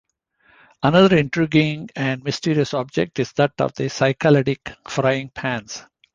Another intriguing and mysterious object is that of the Cycladic frying pans.